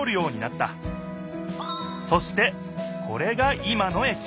そしてこれが今のえき。